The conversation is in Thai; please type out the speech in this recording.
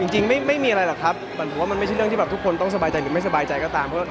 จริงไม่มีอะไรหรอกครับเหมือนผมว่ามันไม่ใช่เรื่องที่แบบทุกคนต้องสบายใจหรือไม่สบายใจก็ตาม